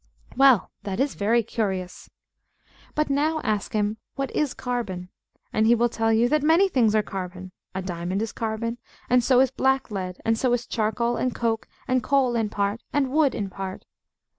Well; that is very curious. But now, ask him, What is carbon? And he will tell you, that many things are carbon. A diamond is carbon; and so is blacklead; and so is charcoal and coke, and coal in part, and wood in part.